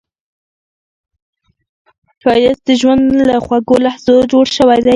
ښایست د ژوند له خوږو لحظو جوړ دی